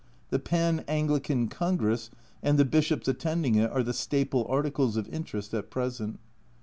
The Pan Anglican Congress and the Bishops attending it are the staple articles of interest at present.